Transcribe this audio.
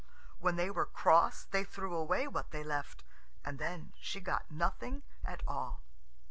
When they were cross they threw away what they left, and then she got nothing at all.